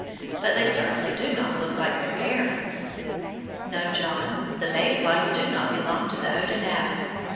But they certainly do not look like their parents! No, John, the May flies do not belong to the Odonata.